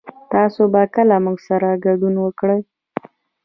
تاسو به کله موږ سره ګډون وکړئ